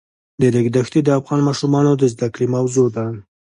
د ریګ دښتې د افغان ماشومانو د زده کړې موضوع ده.